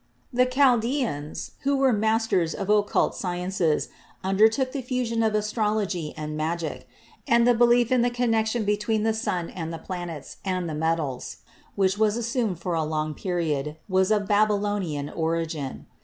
The Chaldeans, who were masters of occult sciences, undertook the fusion of astrology and magic, and the belief in the connection between the sun and planets and the metals, which was assumed for a long period, was of Baby lonian origin.